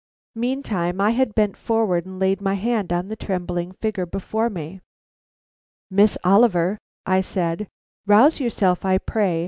Meantime I had bent forward and laid my hand on the trembling figure before me. "Miss Oliver," I said, "rouse yourself, I pray.